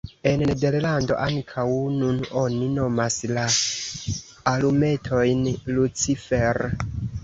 En Nederlando ankaŭ nun oni nomas la alumetojn lucifer.